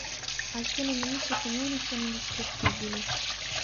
Alcuni nemici comuni sono indistruttibili.